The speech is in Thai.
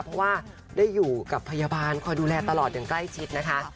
เพราะว่าได้อยู่กับพยาบาลคอยดูแลตลอดอย่างใกล้ชิดนะคะ